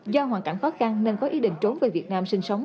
do hoàn cảnh khó khăn nên có ý định trốn về việt nam sinh sống